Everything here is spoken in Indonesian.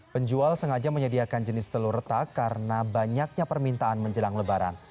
penjual sengaja menyediakan jenis telur retak karena banyaknya permintaan menjelang lebaran